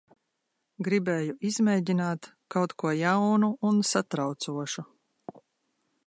Gribēju izmēģināt kaut ko jaunu un satraucošu.